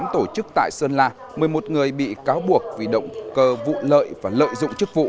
tổ chức tại sơn la một mươi một người bị cáo buộc vì động cơ vụ lợi và lợi dụng chức vụ